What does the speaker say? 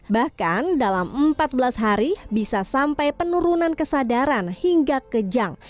bahkan dalam empat belas hari bisa sampai penurunan kesadaran hingga kejang